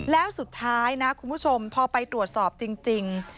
แล้วสุดท้ายนะคุณผู้ชมพอไปตรวจสอบจริง